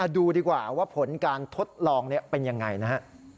ดูดีกว่าว่าผลการทดลองเป็นยังไงนะฮะ